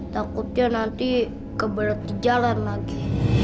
takutnya nanti keberat jalan lagi